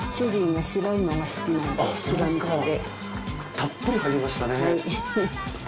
たっぷり入りましたね。